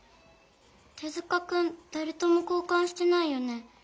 手塚くんだれとも交かんしてないよね。